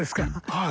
はい。